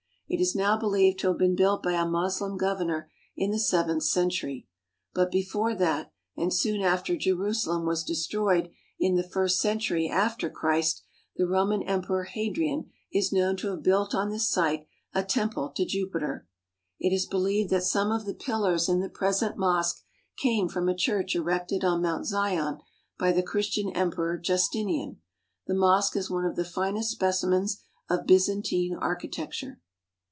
It is now believed to have been built by a Moslem governor in the seventh century. But before that, and soon after Jerusalem was destroyed in the first century after Christ, the Roman Emperor Hadrian is known to have built on this site a temple to Jupiter. It is believed that some of the pillars in the present mosque came from a church erected on Mount Zion by the Christian Emperor Justinian. The mosque is one of the finest specimens of Byzantine architecture.